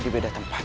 di beda tempat